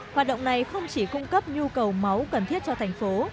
hoạt động này không chỉ cung cấp nhu cầu máu cần thiết cho thành phố